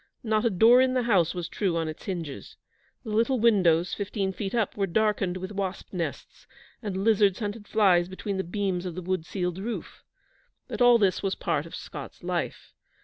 Not a door in the house was true on its hinges. The little windows, fifteen feet up, were darkened with wasp nests, and lizards hunted flies between the beams of the wood ceiled roof. But all this was part of Scott's life.